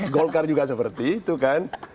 golkar juga seperti itu kan